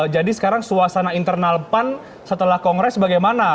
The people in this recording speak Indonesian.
jadi sekarang suasana internal pan setelah kongres bagaimana